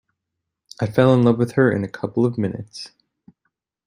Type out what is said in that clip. I fell in love with her in a couple of minutes.